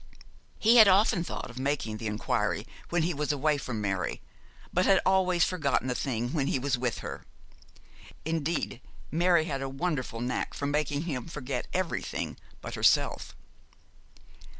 He had often thought of making the inquiry when he was away from Mary, but had always forgotten the thing when he was with her. Indeed, Mary had a wonderful knack of making him forget everything but herself.